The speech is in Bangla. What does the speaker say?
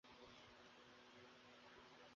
ক্যান্সার বিশেষজ্ঞ ডাক্তারদেরও ক্যান্সার হয়।